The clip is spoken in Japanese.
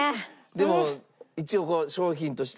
でも一応商品として出てる。